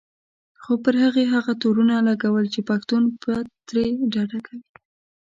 خو پر هغې هغه تورونه لګول چې پښتون پت ترې ډډه کوي.